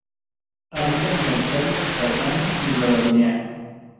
Habitan en Australia, Tasmania y Nueva Guinea.